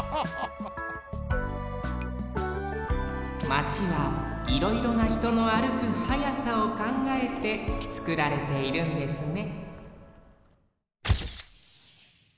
マチはいろいろなひとの歩く速さをかんがえてつくられているんですね